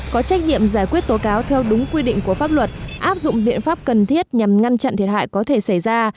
có trách nhiệm giải quyết tố cáo theo đúng quy định của pháp luật áp dụng biện pháp cần thiết nhằm ngăn chặn thiệt hại có thể xảy ra